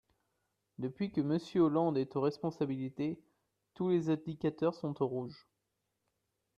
Depuis que Monsieur Hollande est aux responsabilités, tous les indicateurs sont au rouge.